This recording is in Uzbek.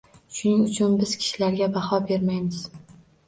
Shuning uchun biz kishilarga baho bermaymiz.